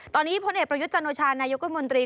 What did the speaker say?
ตอนนี้พลเอกประยุทธ์จันโอชานายกรัฐมนตรี